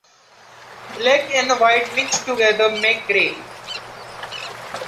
Black and white mixed together make grey.